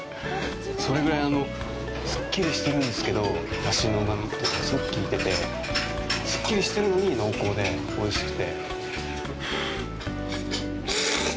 それぐらい、すっきりしてるんですけど出汁のうまみというのがすごくきいててすっきりしてるのに濃厚で、おいしくて。